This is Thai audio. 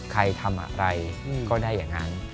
ใครทำอะไรก็ได้อย่างนั้น